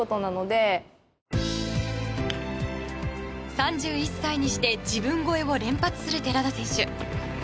３１歳にして自分超えを連発する寺田選手。